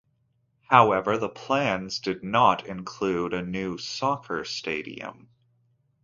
However, the plans did not include a new soccer stadium.